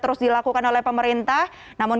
terus dilakukan oleh pemerintah namun